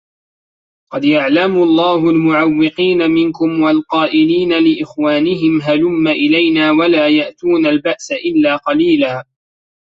قَد يَعلَمُ اللَّهُ المُعَوِّقينَ مِنكُم وَالقائِلينَ لِإِخوانِهِم هَلُمَّ إِلَينا وَلا يَأتونَ البَأسَ إِلّا قَليلًا